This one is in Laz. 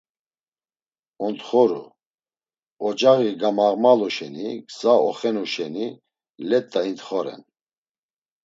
Ontxoru; ocaği gamağmalu şeni, gza oxenu şeni let̆a intxoren.